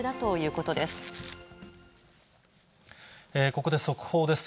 ここで速報です。